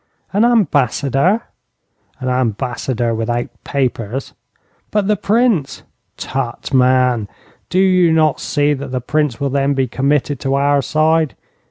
'An ambassador?' 'An ambassador without papers.' 'But the Prince?' 'Tut, man, do you not see that the Prince will then be committed to our side?